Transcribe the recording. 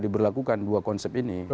diberlakukan dua konsep ini